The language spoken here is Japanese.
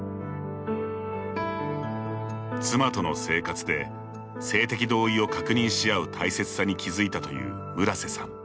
妻との生活で性的同意を確認しあう大切さに気付いたという村瀬さん。